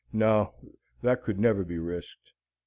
No, that could never be risked.